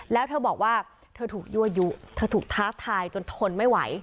แล้วเธอบอกว่าเธอถูกยั่วยุเธอถูกท้าทายจนทนไม่ไหว